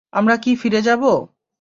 আমরা কি ফিরে যাবো?